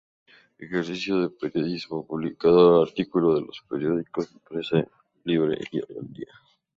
Ejerció el periodismo, publicando artículos en los periódicos Prensa Libre y El Día.